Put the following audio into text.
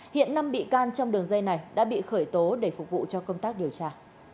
hiện năm bị can trong đường dây này đã bị khởi tố để phục vụ cho công tác điều tra